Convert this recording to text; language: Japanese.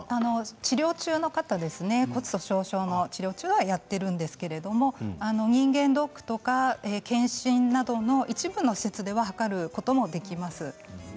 治療中の方骨粗しょう症の治療中はやっているんですけど人間ドックとか検診など一部の施設では測ることもできます。